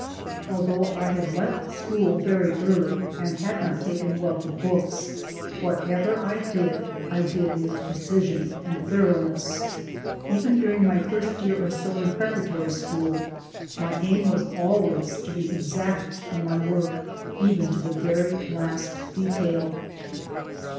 Although I had left school very early and had not taken well to books, whatever I did, I did with precision and thoroughness. Even during my first year or so in preparatory school my aim was always to be exact in my work even to the very last detail.